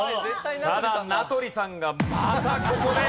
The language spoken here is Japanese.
ただ名取さんがまたここで。